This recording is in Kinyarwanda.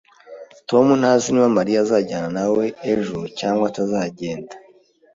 Tom ntazi niba Mariya azajyana nawe ejo cyangwa atazagenda